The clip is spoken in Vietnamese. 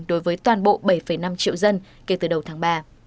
đối với toàn bộ bảy năm triệu dân kể từ đầu tháng ba